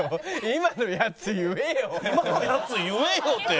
「今のやつ言えよ」って。